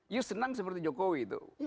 you senang seperti jokowi itu